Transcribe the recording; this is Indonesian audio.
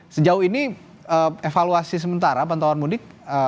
sejauh ini evaluasi sementara pantauan mudik